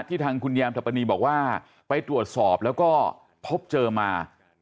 ทางคุณยามทัปนีบอกว่าไปตรวจสอบแล้วก็พบเจอมา